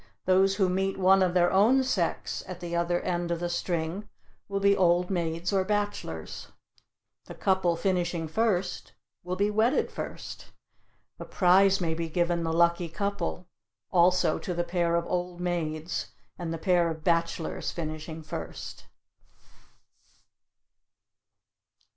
Those who meet one of their own sex at the other end of the string will be old maids or bachelors. The couple finishing first will be wedded first. A prize may be given the lucky couple, also to the pair of old maids and the pair of bachelors finishing first.